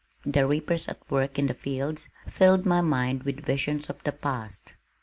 The reapers at work in the fields filled my mind with visions of the past.